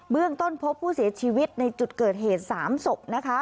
เรื่องต้นพบผู้เสียชีวิตในจุดเกิดเหตุ๓ศพนะคะ